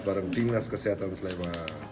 bareng dinas kesehatan slema